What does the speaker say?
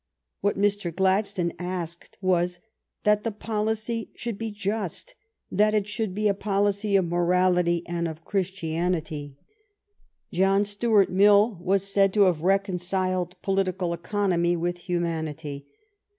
What Mr. Gladstone asked was that the policy should be just, that it should be a policy of morality and of Christianity. John DON PACIFICO — DEATH OF SIR ROBERT PEEL 123 Stuart Mill was said to have reconciled political economy with humanity.